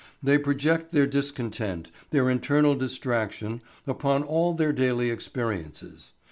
They project their discontent, their internal distraction, upon all their daily experiences.